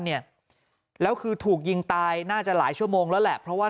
เนี่ยแล้วคือถูกยิงตายน่าจะหลายชั่วโมงแล้วแหละเพราะว่า